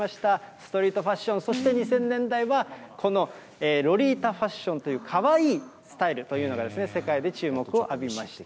ストリートファッション、そして２０００年代はこのロリータファッションというカワイイスタイルというのが、世界で注目を浴びました。